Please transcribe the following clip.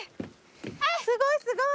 すごいすごい。